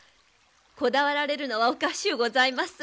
こだわられるのはおかしゅうございます。